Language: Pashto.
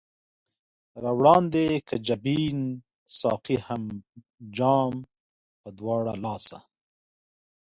را وړاندي که جبين ساقي هم جام پۀ دواړه لاسه